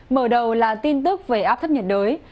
mở đầu là tin tức về áp thấp nhiệt đới